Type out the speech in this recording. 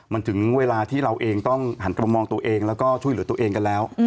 มันถึงเวลาที่เราเองต้องหันกลับมามองตัวเองแล้วก็ช่วยเหลือตัวเองกันแล้ว